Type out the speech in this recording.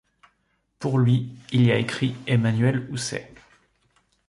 Pour lui, il y a écrit Emmanuel Housset.